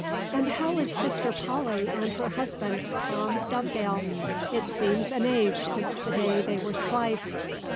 "And how is sister Polly and her husband, Tom Dovedale? It seems an age since the day they were spliced."